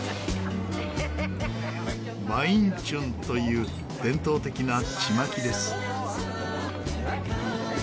バインチュンという伝統的なちまきです。